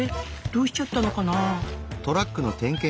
どうしちゃったのかな？